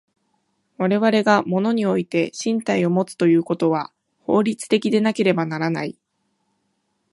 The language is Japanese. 我々が物において身体をもつということは法律的でなければならない。